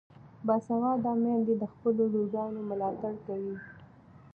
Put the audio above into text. باسواده میندې د خپلو لورګانو ملاتړ کوي.